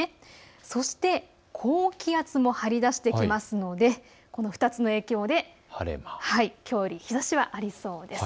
そして高気圧も張り出してきますのでこの２つの影響できょうより日ざしはありそうです。